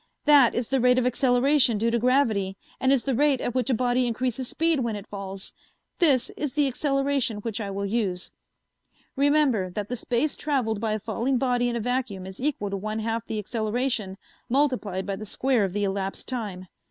That is the rate of acceleration due to gravity and is the rate at which a body increases speed when it falls. This is the acceleration which I will use. "Remember that the space traveled by a falling body in a vacuum is equal to one half the acceleration multiplied by the square of the elapsed time.